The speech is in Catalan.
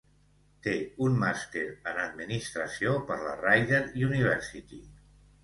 Té un màster en administració per la Rider University.